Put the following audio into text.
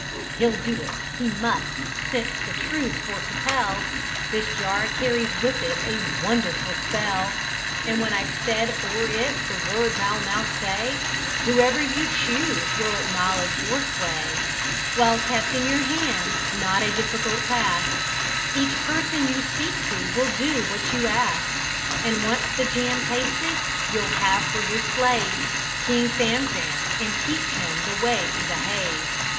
He'll do it he must since, the truth for to tell, This jar carries with it a wonderful spell; And when I've said o'er it the words I'll now say, Whoever you choose will acknowledge your sway. While kept in your hand (not a difficult task) Each person you speak to will do what you ask; And once the jam tasted, you'll have for your slave King Famcram, and teach him the way to behave.